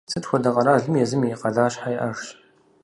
Сыт хуэдэ къэралми езым и къалащхьэ иӀэжщ.